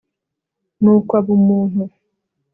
nukw'ab'umuntu